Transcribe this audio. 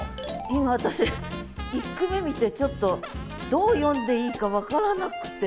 今私１句目見てちょっとどう読んでいいか分からなくて。